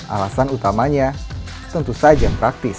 alasan utamanya tentu saja praktis